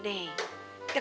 deketin di pepatah